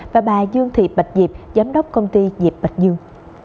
và bà dương thị bạch diệp giám đốc công ty diệp bạch dương